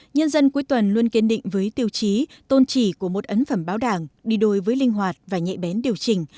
nhân dân cuối tuần luôn kiên định với tiêu chí tôn trì của một ấn phẩm báo đảng đi đôi với linh hoạt và nhẹ bén điều chỉnh